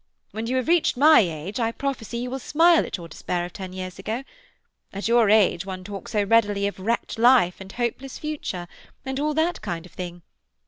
When you have reached my age I prophesy you will smile at your despair of ten years ago. At your age one talks so readily of "wrecked life" and "hopeless future," and all that kind of thing.